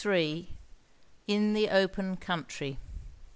* *IN THE OPEN COUNTRY.